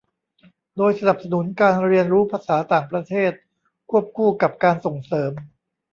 โดยสนับสนุนการเรียนรู้ภาษาต่างประเทศควบคู่กับการส่งเสริม